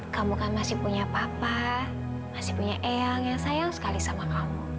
kamu kan masih punya papa masih punya eyang yang sayang sekali sama kamu